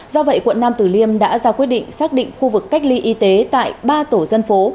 do vậy quận nam tử liêm đã ra quyết định xác định khu vực cách ly y tế tại ba tổ dân phố